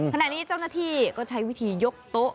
ขณะนี้เจ้าหน้าที่ก็ใช้วิธียกโต๊ะ